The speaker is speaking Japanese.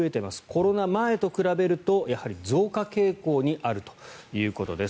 コロナ前と比べるとやはり増加傾向にあるということです。